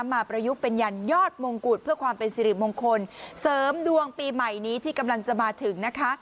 ประยุกต์เป็นยันยอดมงกุฎเพื่อความเป็นสิริมงคลเสริมดวงปีใหม่นี้ที่กำลังจะมาถึงนะคะ